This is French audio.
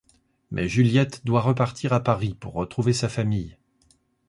Mais Juliette doit repartir à Paris pour retrouver sa famille.